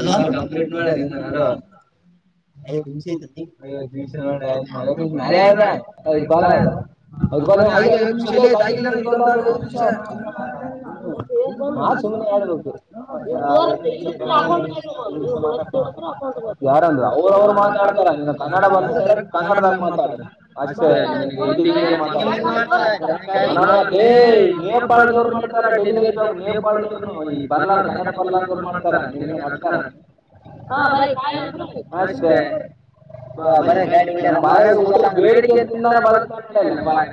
ಅ complete ಮಾಡ ನೀನದ್ರಗ ಮ ಅದು ನಿಮಿಷ ನಿಮಿಷ ಐವತ್ತು ನಿಮಿಷ ಮೇಲೆ ಆದ [unintelligible] ಐದು ಆ ಕಾಲ ಬಾಲ ಆದ ಐದು ಹಬ್ಬ ಕಾಲ ಆಗಿ ಆಗ ಐವ ಐವತ್ತು ನಿಮಿಷ ನಿಮಷ ಇಲ್ಲೇ ಎಲ್ಲ ಆಯ್ತು ಆಯ್ತ ಆಲ್ಲ ಆಗಿಲ್ಲ ಇದೊಂದು ಇದೊಂದಾದ್ರೆ ಐವತ್ತು ನಿಮಿಷ ನಿಮಷ ನಾ [inaudible] ಸುಮ್ಮನೆ ಆಡ್ಬೇಕು ಯಾರ ಅವ್ರ ಅವರು ಮಾತಾಡ್ತಾರ ನೀ ಕನ್ನಡ ಬಂದರೆಕ್ ಕನ್ನಡದಾಗ ಮಾತಾಡ ಅಷ್ಟೇ ನಿನಗೆ ಹಿಂದಿ ಗಿಂದಿ ಏನ್ ಮಾತಾಡ ಅನಾವ ಡೇ [unintelligible] ನೇಪಾಳದವ್ರು ಮಾಡ್ತಾರ ಮಾಡತಾರ ಡೆಲಿವರಿ ಜ ಜಾಬ್ ನೇಪಾಳದವ್ರನು ನೇಪಾಳದವ್ನು ಈ ಬರ್ಲಾರ ಕನ್ನಡ ಬರ್ಲಾರ್ದವ್ರು ಬರ್ಲಾರ್ರು ಮಾಡ್ ಮಾಡ್ತಾರ ನಿನಗೆ ನಿಂಗೇನು ನಡ್ತಾರ [unintelligible] ಅಷ್ಟೇ ಅಷ್ಟೆ ಬ- ಬರ ಬರ್ರಿ ಗಾಡಿ ಹೊಡ್ಯಾರ. ನಮ್ ಬಾರೆ ಬಿಟ್ಟು ಹೊಡಿಯೋದು ಬೇಡಿಕೆ ಅಂತಿಂದಾನ ಬೇಡಿಕೆದಾನ ಬರ ಬದುಕ್ತಾನ ನೋಡಲ್ಲ ನಮ್ ಮ ಬಾರೆ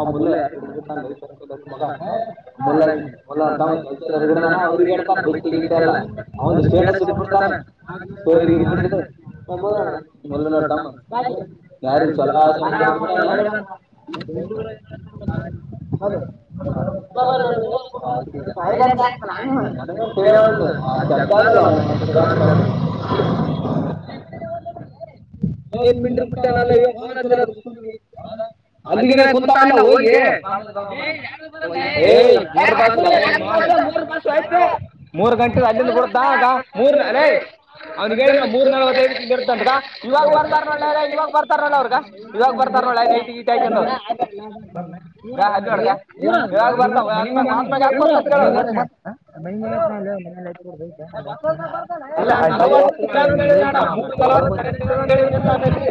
ಅವ್ ಮುಲ್ಲ ಮೊಲ್ಲೆ ಯಾರಿ ಹಿಡಿದ್ಬಿಟ್ಟಾನ ಮಗ ಮುಲ್ಲ ಮುಲ್ಲ [unintelligible] ಅವ್ರಿಗೆ ಹೇಡ್ತಾರೆು ಬೈ ಹಗ ಅಲ್ಲ ಒಂದು ಸ್ಟೇಟಸ್ ಇ ಬಿಡ್ತಾನೆ ಅವರಿಗೆ ನೋಡಿದ್ರೆ ಸ ಮಾಡ ಣ ಮುಲ್ಲ ಮುಲ್ಗನವ ನೋಡ್ ತಮ್ಮ ಯಾರ ಯಾರಿಗೆ ಚಲ ಚಲೋ [inaudible] ಆಸೆ ಮಾಡ್ಬಿಟ್ಟಾನೆ. [unintelligible] ಆ ಆಕಿಗೆ ಸಾಯಿಲೆಂತ ಅಂತ ಹ್ಮ ನನಗೆ ತಿಳಿಯವಲ್ದು ತಿಳಿವಲ್ದು. ಆ ಜಗ್ಗ ಮಾಡ ಅದಲ್ಲ ಅವ್ನು ಅವ್ನು ಜಲ್ಲಗ ಸುಡಾಡ್ ಜಗ್ಗ. ಏನ್ ಮಿಂಡ್ರಿ ಹಟ್ಟ ನಲ್ಲ ಬಿಟ್ಟಾನಲ್ಲ ಇವ ಫೋನ್ ಇನ ಹಚ್ಚಲದು ಅಲ್ಲಿಗೆನ ಕುಂತ ಅಲ್ಲ ಹೋಗಿ ಹೇ ಹಲೋ [unintelligible] ಮೂರು ಮಾಸ ಯತೆ ಮೂರ್ ಗಂಟೆ ಅಲ್ಲಿಂದ ಬಿಡ್ದಗ ಮೂರ್ ಅಲೇ ಅವರಿಗೆ ಹೇಳಿ ನಾವು ಮೂರ್ ನಲ್ವತ್ತೈಐದ ಹಿ ಇತಂದಗ ಇವಾಗ ಬರ್ತಾರ ನೋಳ ಇವಾಗ ಬರ್ತಾರ ನೋಡ ಅವ್ರಗ ಇವಾಗ ಬರ್ತಾರೆ ಲೈಟಿ ಹಾಕೊಂಡ್ ಹಕಂದರು ಗ ಅಲ್ಲಿ ಮಾಡಗ ಇವಾಗ ಬರ್ತಾವ್ಮ್ ಹೋದ ಮ್ಯಾಲೆ ಯಕ ಬರ್ತಾರೆ ಕೇಳ [inaudible] ಅಲ್ಲ ಇಲ್ಲಾ ನಲವತ್ತು [unintelligible] ಕೇಳಲ್ಲೇ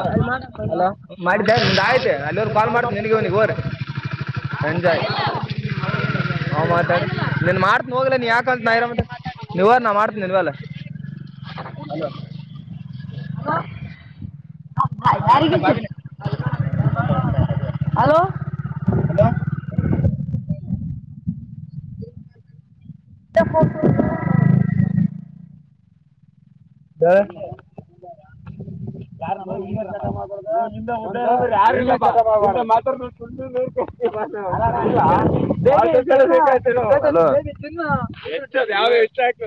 ಅ ಮಾಡಿದ್ದ ನಿದೆ ಆಯ್ತ ಅಲ್ಲಿ ಅವ್ರು ಕಾಲ್ ಮಾಡ್ತ ನನ್ಗೆವನಿಗೆ ಹೋ್ರ [inaudible] ನಾ ಮಾತಾಡಿ ನೀನ್ ಮಾಡ್ತನಿ ಹೋಗ್ ನೀನ್ ಯಾಕಂತ ನ ಇರ ನೀವ್ ನಾ ಮಾಡ್ತನಿ ನೀನ್ವಲ್ಲ ಹ ಯಾರಗ ಬಾಬಿನ ಬಾಬಿನ ಹಲೋ ತಾಪ್ಪ ಯಾ ಯಾರ [inaudible] ಹಲ್ಲೋ.. [unintelligible] ಇಷ್ಟ, ಆಯ್ತು,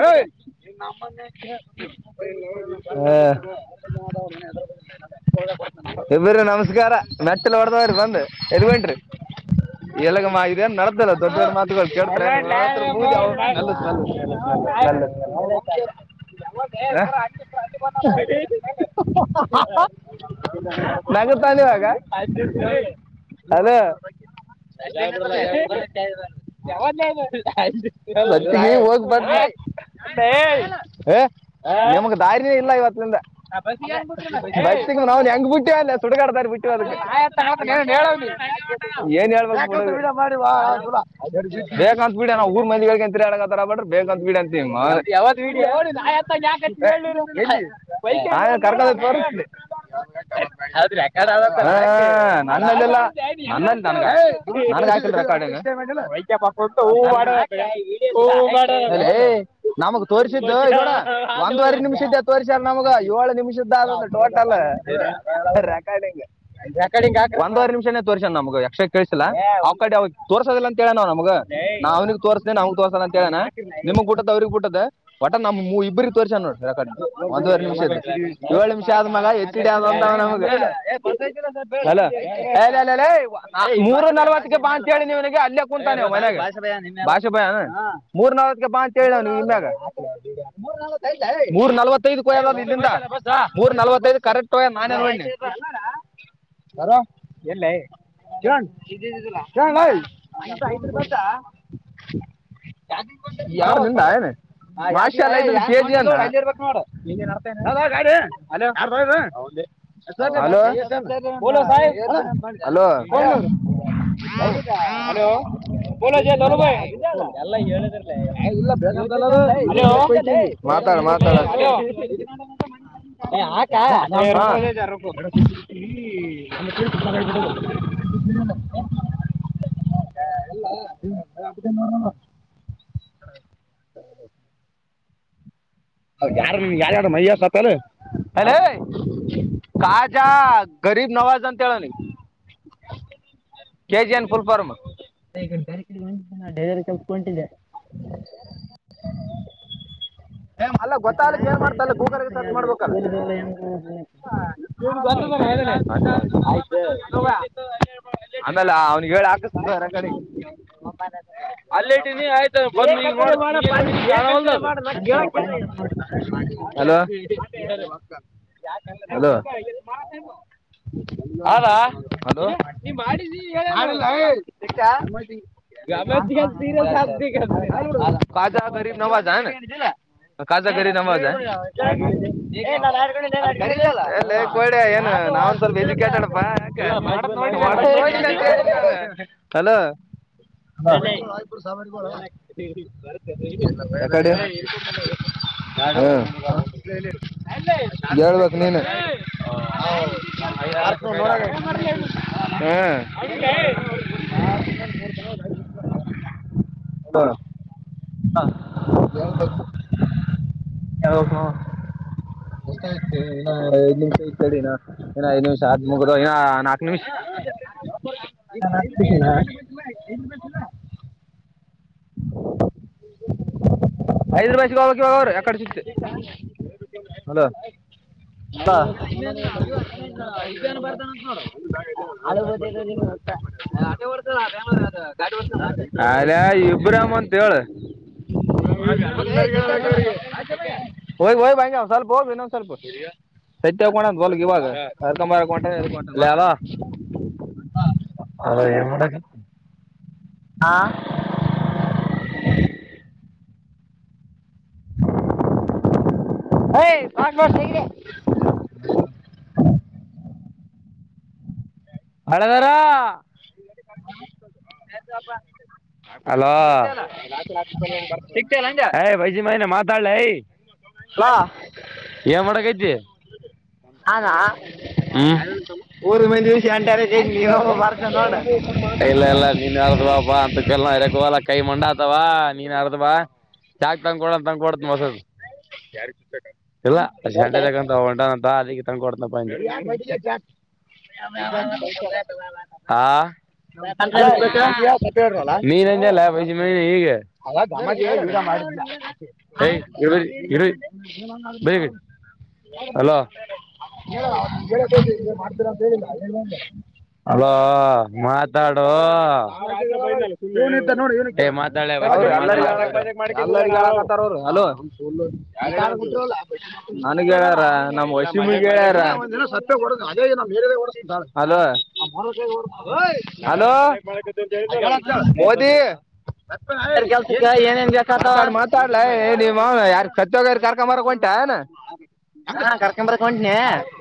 ಹೇ, ನಿಮ್ಮಮ್ಮ ಧೆನ್ಗು.... [unintelligible] ಹಾ.. [unintelligible] ಇಬ್ಬರು, ನಮಸ್ಕಾರ, ಮೆಟ್ಟಲೂ, ಹೊಡದವ್ರೀ ಬಂದು, ಎರಿವೇನ್ರಿ. [unintelligible] ಎಲ್ಲಗ, ಮಾನ್, ನಡ್ದಲ್ಲ ದೊಡ್ಡ, ದೊಡ್ ಮಾತುಗಳು, ಕೇಳ್ತ. [unintelligible] [unintelligible] [inaudible] [unintelligible] [inaudible] ನಗ, ತಾನ, ಹಲೋ. [unintelligible] ನೀವು, ಹೋಗ್ಬಾರ್ರ.. [unintelligible] ಹೇ.. [unintelligible] ಹೇ, ನಿಮಗ್, ದರಿ, ಇಲ್ಲ, ಇವತ್ತಿಂದ! ಬಸ್ ನಾವ್ನ್, ಹೆಂಗ್, ಬಿಟ್ಟ. [unintelligible] ಸುಡುಗಾಡು, ದಾರಿ, ಬಿಟ್ಟವೀ, ಏನು ಹೇಳುವಣಿ, ಏನು, ಹೇಳಬೇಕು, ಸಾಕಷ್ಟು, ದಾರಿ, ಬಿಟ್ಟುರ್ಡಿನಿ. [unintelligible] ಬೇಕಂತ, ಬಿಡ, ನಾ ಊರ್ ಮಂದಿಗಳಿಗೆಗಂತಾಡಗಕತ್ತರ, ಬಡ್ರಿ ಬೇಕಂತ ಬಿಡಿ, ಅಂತೀ, ಯಾವಾಗ, ವೀಡಿಯೋ. [unintelligible] [unintelligible] [inaudible] ಹೌದ್ರೀ, ರೆಕಾರ್ಡ್, ಅಡ್ಹವಿ, ನನ್ನಲ್ಲಿಲ್ಲ ನನ್ನಲ್ಲಿ ತನ್ಗ. [unintelligible] [unintelligible] [inaudible] ನಮಗ್, ತೋರಿಸಿದ್. [unintelligible] ಒಂದುವವರೆ, ನಿಮಿಷ ಇದ್ದೇ ತೋಸ್ಯಾರ ನಮಗ, ಏಳು ನಿಮಿಷದ್ದ ಅ ಟೋಟಲ್. [unintelligible] ಕಾಳಿಂಗ.. [inaudible] ಯಾಕನ, ಒಂದವರ್, ನಿಮಿಷಾನೇ! ತೋರ್ಸಣ ನಮಗ, ಯಕ್ಕ್ಷ, ಕಸಿಲ್ಲಾ ಅವ್ ಕಡೆ ಅವ ತೋಸೋದಿಲ್ಲ, ಅಂತ, ಹೇಳ ನಾವ್ ನಮಗ? [inaudible] ನಾನಿಗೆ, ತೋರ್ಸ್ದೇನೆ, ಅವನಿಗೇ, ತೋರ್ಸತ ಅಂತೇನೆ, ನಿಮಗ್ ಬಿಟ್ಟದತ್, ಅವ್ರಗ್ ಬಿಟ್ಟದ. [unintelligible] ನಮ್, ಇಬ್ಬ್ರಿಗೆ, ತೋರ್ಸ ನೋಡು, ರೆಕಾರ್ಡ್ ಒಂದವರೆ ನಿಮಿಷ, ಇದೆ ಏಳು ನಿಮಿಷ, ಅಧುಮೇಲೈ, ಎತ್ಹಿಯೆಡು, ಅನ್ನೋನೇ, ನಮಗೂ. [unintelligible] ಏ, ಬರ್ತೈತಿಲ್ಲಾ, ಸ್ವಲ್ಪ್ ಹೇಳ್ ಹಲೋ ಅಲೆಲೆ ಏ ಮೂರು ನಲವತ್ತಕ್ಕೆ! ಬಾ ಅಂತ ಹೇಳಿ ಇವನೀಗೆ. [unintelligible] ಅಲ್ಲೆ, ಕುಂತಾವಣೆ,, ಮನ್ಯಾಗ ಮೂರ್ನನವತಕ್ಕೆ, ಭಾಷೆಬಾಯ, ಅಂತೇಳ ಆವ್, ಇಮ್ಮ್ಯಾಗ. [unintelligible] [inaudible] ಮೂರ್, ನಲ್ವತ್ತೈದಕ, ಹೋಗ್ಯದ, ಅದ ಇಲ್ಲಿಂದಾ! ಮೂರ್, ನಲ್ವತ್ತೈದು, ಕರೆಕ್ಟ್, ನಾನೇ, ಹೋಗ್ನವಿ. [unintelligible] ಬರೋ, ಎಲ್ಲೇ? [unintelligible] ಏನು, ಏನು, ಹೇ.. [unintelligible] ಯಾರ್, ನಿಂದಾ, ಏನು? [unintelligible] [inaudible] [unintelligible] ಹಲೋ, ಬೋಲೋ, ಸರ್, ಹಲೋ. ಕೊನ್ನಿ.. [unintelligible] ಹಲೋ, ಬೋಲೋ, ಜಲ್ಲುಬಾಯಿ,, ಎಲ್ಲಾ ಹೇಳ್ದ್ರಿಲೆ, ಏಇ, ಇಲ್ಲಾ ಬೇಕಂತ್, ಅಲ್ಲ ಅದು. [unintelligible] ವಿ ಆರ್, ಸ್ಪೀಕಿಂಗ್, ಮಾತಾಡು, ಮಾತಾಡು. [unintelligible] ಹಾ, ಅಕ್ಕಾ, ಹ, ಈರಣ್ಣ, ಈ, ಬಿಡಲ್ಲ, ಬಿಡು. [unintelligible] [unintelligible] [inaudible] [unintelligible] [inaudible] ಆವ್, ಯಾರ್, ಯಾರ್ಯಾರು, ಮಯ್ಯಗ, ಸೋತಲು? [unintelligible] ಅಲೆ, ಕಾಜಾ, ಗರಿಬ್, ನವಾಜ್, ಅಂತ, ಹೇಳಲ್ವಾನಿ. [unintelligible] K, G, N, full form. [unintelligible] [unintelligible] [inaudible] ಅಲ್ಲ, ಆತ ಗೊತ್ತಾಗ್ಲಿಕ್ಕೆ! ಏನ್ ಬೇರೆ ಮಾಡ್ತಲ್ಲ ಕೆಲಸ ಗೂಗಲ್ಗೆ ಮಾಡ್ತಾನೆ ಸರ್ಚ್, ಯಾರು ಮಾಡ್ಬೇಕಲ್ಲ. ಕೂಲಿ ಬೇಡ ಹೆಂಗೆ [unintelligible] ಹೇ, ಹಾಗಿದೆ, ಆಯ್ತು.. [unintelligible] ಆಮ್ಯಾಲ, ಅವ್ನಿಗ ಹೇಳಿ, ಹಾಕಿಶುತೀನಿ, ತೋರ್, ತಡ್ಡಿ, ಅಲ್ಲೆ, ಇದೀನಿ ಆಯಿತ, ಬಂದ್, ನೀನು? [unintelligible] [inaudible] [unintelligible] ಟ್ಯಾಂಕರ್ ಏನುಕೈ, ಪಡ್ಡೆ, ಟ್ಯಾಂಕರ್ ಮಾಡ್ಬೇಕು ಟ್ಯಾಂಕರ್ ಹಲೋ! [unintelligible] ಹಲೋ. [unintelligible] ಹಲ್ಲೋ, ಅದಾ, ಹಲೋ, ನೀ ಮಾಡ್ತಾನೆ ಮಾಡಿದಿ, ಮಾಡಿಲೆ, ಸಿಗ್ತಾ? [unintelligible] ಯಾವತ್ತೂ, ಆದರು, ಹೆಂಗೆ ಸೀರಿಯಸ್ ಹಾಗುತಿನಿ, ಅಲ್ಲಾ ಕಾಜನವಾಜು, ಏನು.. [unintelligible] ಕಾಜಗರಿ, ನಮ್ಮಾಜ. [unintelligible] ಏನ್ ನಾವ್ ಸ್ವಲ್ಪ ಯಾಕ ಎಜುಕೇಟೆಡ್ ಪಾ [unintelligible] ಹಲೋ [unintelligible] ಯಕಡಿ ಹ ಹೇಳಬೇಕ ನೀನೆ [unintelligible] ಹ್ನ. ಲೋ ಆ ಹೇಳಬೇಕ ಹೇಳ್ಬೇಕ್ ಮಾವ ಎಸ್ಟು, ಅಯ್ತು, ಟೈಮ್, ಐದ್, ನಿಮಿಷ, ಕೇಳಿನೊ, ಹಿನಾ ಐದ್ ನಿಮಿಷ ಆದ್, ಮುಗದೊ, ಹಿನಾ ನಾಕ್ ನಿಮಿಷ. [unintelligible] [unintelligible] [inaudible] ಐದ ರೂಪಾಯ ಸಿಗ ಕೊರ ಎಕಡಿ ಸತ್ತಿ ಹಲೋ [inaudible] [unintelligible] [unintelligible] ಅಲ್ಯಾ ಇಬ್ರಮ ಅಂತ ಹೇಳ [unintelligible] ಹೋಗ ಹೋಗ ಬನ್ನಿ ಸ್ವಲ್ಪ ಹೋಗ ಇನೊಂದ ಸ್ವಲ್ಪ [unintelligible] ವಲ್ಗ ಇವಾಗ ಕರ್ಕೊಂಡ ಬರಾಕ್ ಹೊಂಟೀನಿ ಲೇ ಹಲೋ ಹಲೋ ಎನ್ ಮಾಡತಿ. ಆ ಏನ್ ಮಾಡಕತ್ತಿ. ಹಲೋ. ಪಾಸ್ ಪಾಸ್ ತೆಗೀರಿ. ನಾ ಹಳೆದಾರ [unintelligible] ಹಲೋ ಸಿಕ್ತಿ ಏನ್ ಅಂದೆ ಹೇ ಬೈಜಿ ಮಗನ್ ಮಾತಾಡ್ಲಲೇ ಏನ್ ಮಾಡಕತಿ. ನಾನಾ ಹ್ಮ್ ಉರಿಗ ಬಂದೂರಿ ಷ್ಯಂಟ ಇಲ್ಲ ಇಲ್ಲ ನೀನ್ ಹೇಳ್ಬೇಕಪ್ಪ ಅಂತಕ್ಕೆಲ್ಲ ಗೋಲ ಕೈ ಮಂಡ ಆತವಾ ನೀನ್ ಹರ್ದ ಬಾ ಚಾಕ್ ತಂದಕೊಡ ಅನ್ನ ತಂಗಕೊಡತನ ಹೋಸದ ಇಲ್ಲ ಸಂಡೆ ಕೊಡ್ತೇನ್ ತಕಂತ ಹೊಂಟಾ ಬಾ ಅಲ್ಲಿಗೆ ತಂದ ಕೊಡ್ತಿನಪಾ ಅಂದೆ ಹಾ [unintelligible] ನೀನಲ್ಲ ಬೈಜ ಮ ಈಗ ಎ ಇಡು ಇಡ್ ಬೇಗ ಹಲೋ ಹೇಳ ಕೆಳತತಿ ಮಾಡ್ತೀರಾ ಅಂತ ಹೇಳಿಲ್ಲ ಹೇಳಂದ ಅಲೋ ಮಾತಾಡೊ ಎ ಮಾತ [unintelligible] ನನಗ ಹೇಳ್ಯಾರ ನಮ್ಮ ವಶೀನಿ ಗ ಹೇಳ್ಯಾರ [unintelligible] ಹಲೋ ಹಲೋ ಮೋದಿ ಬೇರೆ ಕೆಲ್ಸಕ್ಕ ಏನೇನ್ ಬೇಕಾಗ್ತಾವ ಮಾತಾಡ್ ಮಾತಾಡ್ಲ ಏ ನಿಮ್ ಯಾರ ಸತ್ತೋಗಾರ ಕರ್ಕೊಂಡ ಬರಾಕ್ ಹೊಂಟಿ ಏನ್ ಹಾ ಕರ್ಕೊಂಬರಕ್ ಹೊಂಟ್ನಿ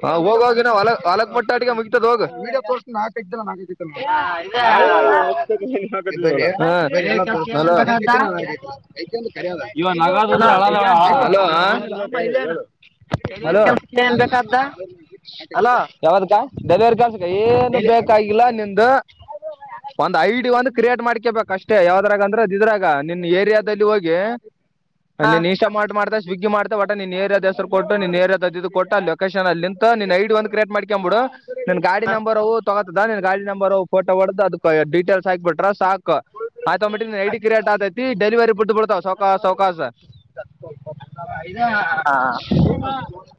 [unintelligible] ಹೋಗ ಹೋಗ ಇನ್ ಹೊಲ ಹೊಲಕ ಮುಟ್ಟಟಗೆ ಮುಗ ಹೋಗ [unintelligible] [unintelligible] [unintelligible] ಆ, ಇದ ಡೆಲಿವರಿ ಕೆಲ್ಸ ಏನೇನ್ ಬೇಕಾದ ಹಲೋ ಡೆಲಿವರಿ ಹಲೋ ಕೆಲ್ಸಕ್ಕೆ ಏನ್ ಬೇಕಾದ ಹಲೋ ಕೆಳಾತತಿ. ಡೆಲಿವರಿ ಕೆಲ್ಸಕ್ಕ ಏನು ಡೆಲಿ ಬೇಕಾಗಿಲ್ಲ ನಿಂದ ಒಂದ ಐ ಡಿ ಒಂದ ಕ್ರಿಯೇಟ್ ಮಾಡ್ಕೇಬೇಕ್ ಅಷ್ಟೇ ಯಾವದ್ರಾಗ ಅಂದ್ರೆ ಇದ್ರಾಗ ನಿನ್ ಏರಿಯಾದಲ್ಲಿ ಹೋಗಿ ಹಾ ನಿನ್ ಇನ್ಸ್ಟಾಮಾರ್ಟ್ ಮಾಡ್ತಿ ಸ್ವಿಗ್ಗಿ ಮಾಡ್ತ ಒಟ ನಿನ್ ಏರಿಯಾದ ಹೆಸರ ಕೊಟ್ಟ ನೀನ್ ಏರಿಯಾದ ಕೊಟ್ಟ ಆ ಲೊಕೇಶನ್ ಅಲ್ಲಿಂತ ನಿನ್ ಐ ಡಿ ಒಂದ ಕ್ರಿಯೇಟ್ ಮಾಡ್ಕೊಂದ ಬಿಡು. ನನ್ ಗಾಡಿ ಹಾ, ನಂಬರ್ವು ತೊಗೋತದ ನಿನ್ ಗಾಡಿ ನಂಬರ್ ಫೋಟೋ ಹೊಡ್ದ ಅದಕ ಡೀಟೇಲ್ಸ್ ಹಾಕ್ಬಿಟ್ರ ಸಾಕ ಆಟೋಮ್ಯಾಟಿಕ್ ಐ ಹಾ, ಡಿ ಕ್ರೇಟ್ ಆತೈತಿ ಡೆಲಿವರಿ ಫುಡ್ ಬಿಳತವ ಸೌಕ ಸೌಕಾಸ ಹ ಇದ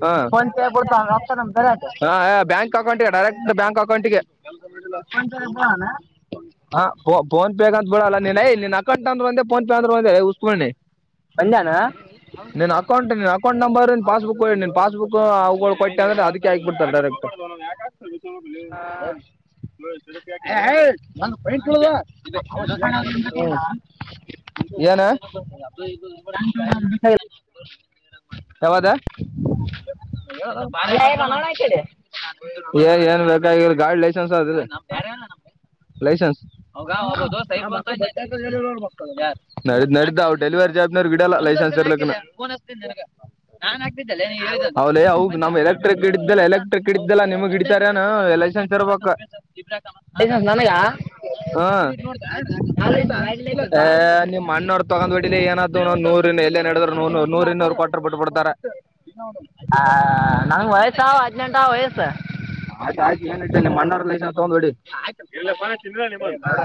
ಹಾ ಫೋನ್ ಪೇ ಬಿಳತವ ಆಫರ್ ನಮ್ದರಾಗ [unintelligible] ಅಕೌಂಟ್ ಗೆ ಡೈರೆಕ್ಟ್ ಬ್ಯಾಂಕ್ ಅಕೌಂಟ್ಗೆ. [unintelligible] ಹಾ ಫೋನ್ ಫೋನ್ಪೇಗ ಅಂತ ಬೀಳಲ ನೀನ್ ನಿನ್ ಅಕಂಟ್ ಅಂದ್ರನು ಒಂದೇ ಫೋನ್ ಪೇ ಅಂದ್ರ ಒಂದೇ ಏ ಬಂದಾನ [unintelligible] ನನ್ ಅಕೌಂಟ್ ನನ್ ಅಕೌಂಟ್. ನಂಬರ್ನ್ ಪಾಸ್ಬುಕ್ ಕೊಿ ನೀನ್ ಪಾಸ್ಬುಕ್ ಅವುಗಳು ಕೊಟ್ಟ ಅಂದ್ರೆ ಅದಕ್ಕೆ ಆಕಿಬಿಡ್ತಾರೆ ಡೈರೆಕ್ಟ್. [unintelligible] [unintelligible] ಹುಂ ಏನ. ಯಾವದ ಅಲ್ಲ ಏನ ನೋಡ ಕಡೆ [unintelligible] ಏ ಏನ್ ಬೇಕಾಗಿಲ ಗಾಡಿ ಲೈಸೆನ್ಸ್ ಅದ ಇಲ್ಲ ಲೈಸೆನ್ಸ್. ಹೋಗ ಹ್ಮ್. ಹೋಗಬೋದು ಸೈ [unintelligible] ನಡ ನಡೀತವ ಅವವು ಡೆಲಿವರಿ ಜಾಬ್ನವರು ಹಿಡಲ್ಲ ಲೈಸೆನ್ಸ್ ಇರ್ಲಕ್ಕನ ನನ್ ಹಾಕ್ತಿದೆ ಲೆ ನೀನ್ ಏನ್ ಅಂದ್ರ ಅವ ಲೆ ಅವ ನಮ್ ಎಲೆಕ್ಟ್ರಿಕ್ [unintelligible] ಎಲೆಕ್ಟ್ರಿಕ್ ಕಿಡ್ದಲ್ಲಾ ನಿಮ್ಗ್ ಹಿಡಿತಾರ ಏನು ಲೈಸೆನ್ಸ್ ಇರ್ಬಕ್. [unintelligible] ಲೈಸೆನ್ಸ್ ನನಗ ಯಾವ ಹಾ. ಲೈಸೆನ್ಸ್ ಗಾಡಿ [unintelligible] ಲೈಸೆನ್ಸ್ ಏ ನಿಮ್ ಅಣ್ಣ ನೋಡ್ [unintelligible] ತಗೊಂಡ್ಬ ಬಿಡ್ ಏನಾದು ನ ನೂರಿ ಇ ಎಲ್ಲೇ ನಡಿದ್ ನ ನೂರಿ ಇ ಅವರು ಕೊಟರ್ ಬಿಟ್ಬ ಬಿಡ್ತಾರೆ. ಹ ನಂಗ್ ವಯಸ್ಸ ಆದ್ [unintelligible] ಆಯ್ತ ಆಯ್ತ ಏನ್ ನಿಮ್ಮಣ್ಣ ಲೈಸೆನ್ಸ್ ತಗೊಂಡ್ ಹೊಡಿ.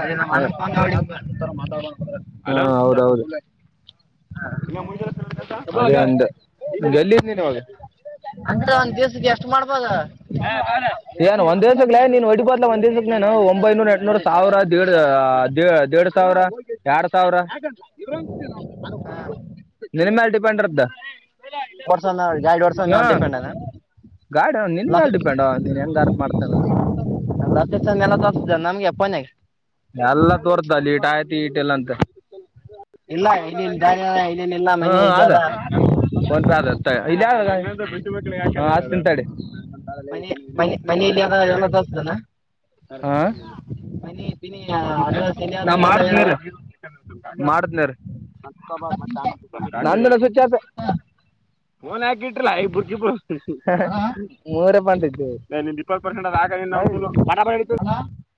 ಅದೇ ನಮ್ಮ ಅಣ್ಣನ ಫೋನ್ ನೋಡಿ ಎಲ್ಲಿ ಇದ್ದನ ಅವಾಗ. ಅಂದ್ರ ಒಂದ್ ದಿವಸಗ್ ಎಷ್ಟ್ ಮಾಡ್ಬಾದು. ಹಾ [unintelligible] ಏನು ಒಂದ ದಿವಸಕ್ಕೆೇ ನೀನ್ ಒಡಿ ಬೊದು ಲೆ ಒಂದ್ ದಿವಸಕ್ಕೆ ನೇು ಒಂಬೈನೂರ ಎಂಟುನೂರು ಸಾವಿರ ದೇಡ್ಡ್ ಸಾವಿರ. ಸಾವಿರ ಎರಡ್ ಸಾವಿರ. ನಿನ್ ಮೇಲ್ ಡಿಪೆಂಡ್ ಇರ್ತದ. ವರ್ಷ ಎರಡ್ ವರ್ಷದ ನ್ ಡಿಪೆಂಡ್ ಅದ. [inaudible] ಗಾಡಿ [unintelligible] ನಿನ್ ಮೇಲೆ ಡಿಪೆಂಡ್ ನೀನ್ ಹೆಂಗ್ ಅರ್ನ್ ಮಾಡ್ತಾನ ತೋರ್ತ ನಮ್ಗೆ ಪೋನ್ ನಾಗೆ. ಎಲ್ಲ ತೋರ್ಥದ ಅಲ್ಲಿ ಈಟ ಆಯ್ತಿ ಈಟೆಲ್ಲ ಅಂತ. ಇಲ್ಲ ಇಲ್ಲಿ [unintelligible] ಹ್ಮ ಹು ಅದ. ತಡಿ. ಮನೆ ಮನೆ ಮನೆಯಲ್ಲಿ ಯ ಎಲ್ಲ ದೋಸದನಾ. ಹಾ ಅಡ್ರೆಸ್ ಎಲ್ಲಿ ಅದ ನಾ ಅಂತೆಲ್ಲ ಹೇಳ ಮಾಡ್ತನಿ ಇರಿ. ಮಾಡ್ತೀನಿ ಇರಿ ಹತ್ತು ನಿಮಿಷ ಹತ್ತು ನಂದ ಸ್ವಚ್ ಆಫ್. ನಿಮಿಷ ಪೋನ್ ಯಾಕ್ ಇತ್ರಿ ಇಬ್ರೂ. Hello [unintelligible] hello